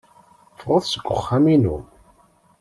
Ffɣet seg uxxam-inu.